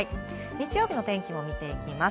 日曜日の天気も見ていきます。